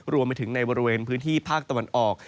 รวมไปถึงในบริเวณพื้นที่ภาคตะวันออก